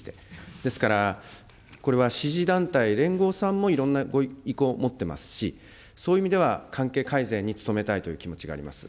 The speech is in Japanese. ですから、これは支持団体、連合さんもいろんな意向を持っていますし、そういう意味では、関係改善に努めたいという気持ちがあります。